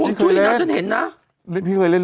เป็นการกระตุ้นการไหลเวียนของเลือด